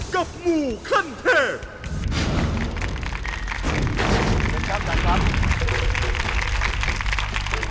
ขอบคุณครับ